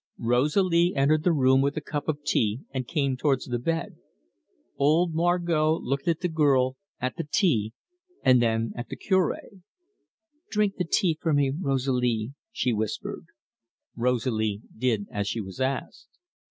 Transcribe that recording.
Rosalie entered the room with a cup of tea, and came towards the bed. Old Margot looked at the girl, at the tea, and then at the Cure. "Drink the tea for me, Rosalie," she whispered. Rosalie did as she was asked.